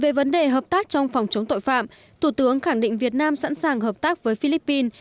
về vấn đề hợp tác trong phòng chống tội phạm thủ tướng khẳng định việt nam sẵn sàng hợp tác với philippines